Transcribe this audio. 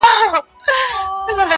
د زاهد به په خلوت کي اور په کور وي-